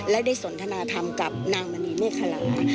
และได้สนทนาธรรมกับนางมณีเมฆคลา